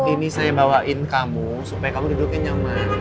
ini saya bawain kamu supaya kamu duduknya nyaman